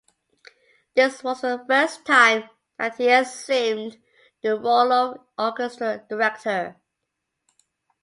This was the first time that he assumed the role of orchestra director.